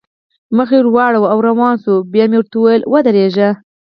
مخ یې واړاوه او روان شول، بیا مې ورته وویل: ودرېږئ.